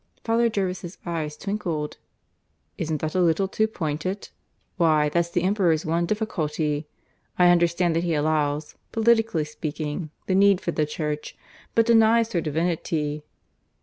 Father Jervis' eyes twinkled. "Isn't that a little too pointed? Why, that's the Emperor's one difficulty! I understand that he allows, politically speaking, the need for the Church, but denies her divinity."